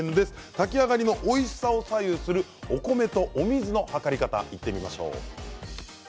炊き上がりのおいしさを左右するお米と水のはかり方を見てみましょう。